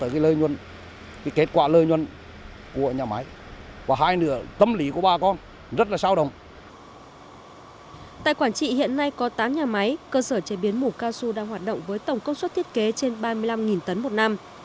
tại quảng trị hiện nay có tám nhà máy cơ sở chế biến mủ cao su đang hoạt động với tổng công suất thiết kế trên ba mươi năm tấn một năm